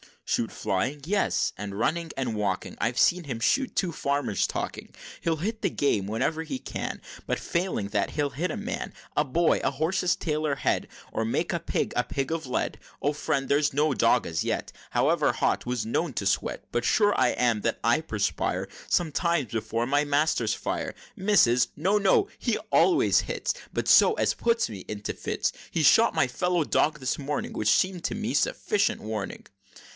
"Shoot flying? Yes and running, walking I've seen him shoot two farmers talking He'll hit the game, whene'er he can, But failing that he'll hit a man, A boy a horse's tail or head Or make a pig a pig of lead, Oh, friend! they say no dog as yet, However hot, was known to sweat, But sure I am that I perspire Sometimes before my master's fire! Misses! no, no, he always hits, But so as puts me into fits! He shot my fellow dog this morning, Which seemed to me sufficient warning!"